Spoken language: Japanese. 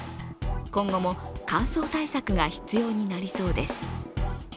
今後も乾燥対策が必要になりそうです。